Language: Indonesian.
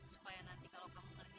supaya nanti kalau kamu kerja